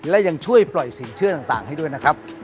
และยังช่วยปล่อยสินเชื่อต่างให้ด้วยนะครับ